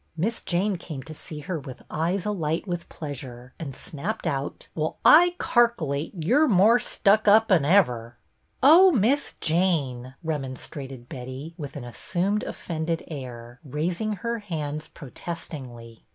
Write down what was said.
Miss Jane came to see her with eyes alight with pleasure, and snapped out, —" Well, I carc'llate you're more stuck up 'n ever." "Oh, Miss Jane," remonstrated Betty, with an assumed offended air, raising her hands protestingly.